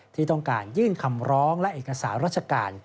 ที่ต้องการยื่นคำร้องและเอกสารราชการ